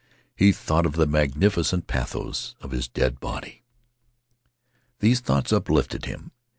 He thought of the magnificent pathos of his dead body. These thoughts uplifted him.